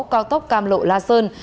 cao tốc cam lộ la sơn